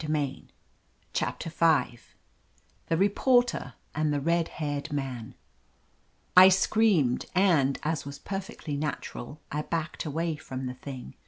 it said 1 CHAPTER V THE REPORTER AND THE RED HAIRED MAN I SCREAMED, and, as was perfectly nat ural, I backed away from the thing.